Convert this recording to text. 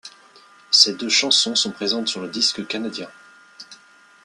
Ces deux chansons sont présentes sur le disque canadien.